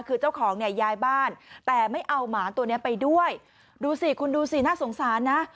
คือเจ้าของเนี่ยย้ายบ้านแต่ไม่เอาหมาตัวเนี้ยไปด้วยดูสิคุณดูสิน่าสงสารนะ